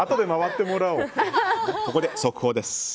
ここで速報です。